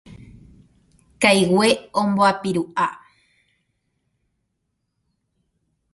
Kaigue omboapiru'a.